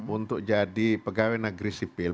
untuk jadi pegawai negeri sipil